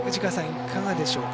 いかがでしょうか。